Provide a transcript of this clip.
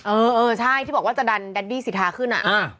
เออเออใช่ที่บอกว่าจะดันแดดดี้สิทธาขึ้นอ่ะ